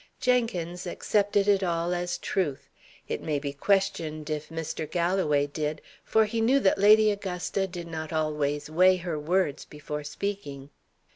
Jenkins accepted it all as truth: it may be questioned if Mr. Galloway did, for he knew that Lady Augusta did not always weigh her words before speaking.